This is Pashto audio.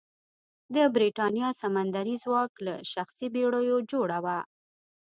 د برېتانیا سمندري ځواک له شخصي بېړیو جوړه وه.